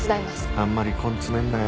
あんまり根詰めんなよ。